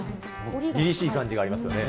りりしい感じがありますよね。